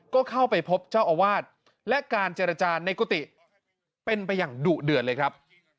ก็เข้าไปพบเจ้าอาวาสและการเจรจาในกุฏิเป็นไปอย่างดุเดือดเลยครับ